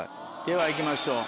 では行きましょう。